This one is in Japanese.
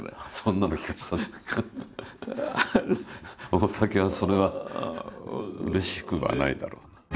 大滝はそれはうれしくはないだろう。